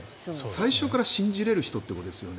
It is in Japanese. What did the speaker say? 最初から信じれる人ということですもんね。